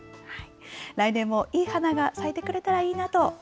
来年もいい花が咲いてくれたらい